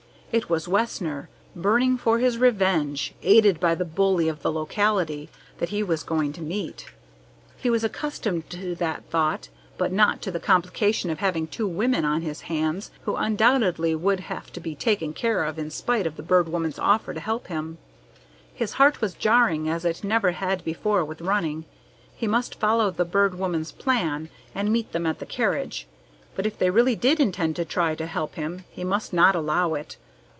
It was Wessner, burning for his revenge, aided by the bully of the locality, that he was going to meet. He was accustomed to that thought but not to the complication of having two women on his hands who undoubtedly would have to be taken care of in spite of the Bird Woman's offer to help him. His heart was jarring as it never had before with running. He must follow the Bird Woman's plan and meet them at the carriage, but if they really did intend to try to help him, he must not allow it.